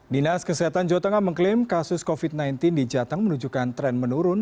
dinas kesehatan jawa tengah mengklaim kasus covid sembilan belas di jateng menunjukkan tren menurun